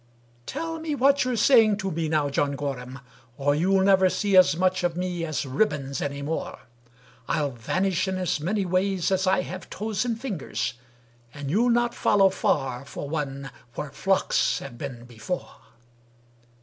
"— "Tell me what you're saying to me now, John Gorham, Or you'll never see as much of me as ribbons any more; I'll vanish in as many ways as I have toes and fingers, And you'll not follow far for one where flocks have been before."